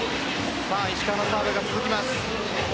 石川のサーブが続きます。